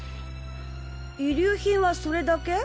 遺留品はそれだけ？